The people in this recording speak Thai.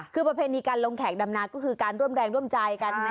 คือประเพณีการลงแขกดำนาก็คือการร่วมแรงร่วมใจกัน